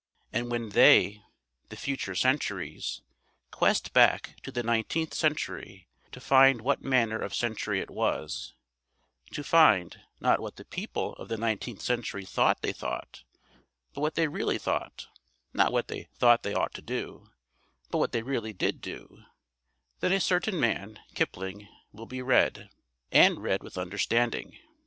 And when they, the future centuries, quest back to the nineteenth century to find what manner of century it was to find, not what the people of the nineteenth century thought they thought, but what they really thought, not what they thought they ought to do, but what they really did do, then a certain man, Kipling, will be read and read with understanding.